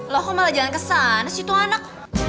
lo kok malah jalan kesana situ anak